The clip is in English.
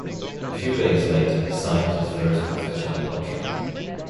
A few days later he signed his first professional contract.